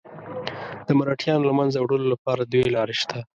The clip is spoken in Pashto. د مرهټیانو له منځه وړلو لپاره دوې لارې شته.